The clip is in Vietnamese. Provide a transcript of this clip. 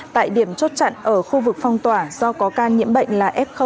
tại điểm chốt chặn ở khu vực phong tỏa do có ca nhiễm bệnh là f một